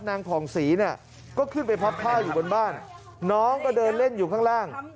ผ่องศรีเนี่ยก็ขึ้นไปพับผ้าอยู่บนบ้านน้องก็เดินเล่นอยู่ข้างล่าง